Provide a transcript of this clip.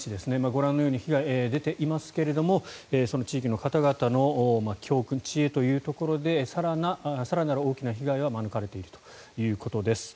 ご覧のように被害が出ていますがその地域の方々の教訓、知恵というところで更なる大きな被害は免れているということです。